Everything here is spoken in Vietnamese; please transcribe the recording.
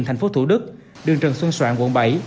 tp thủ đức đường trần xuân soạn quận bảy